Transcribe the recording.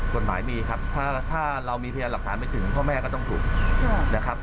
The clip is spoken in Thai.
กฎหมายมีครับถ้าเรามีพยานหลักฐานไปถึงพ่อแม่ก็ต้องถูกนะครับ